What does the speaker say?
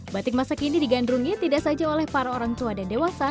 batik masa kini digandrungi tidak saja oleh para orang tua dan dewasa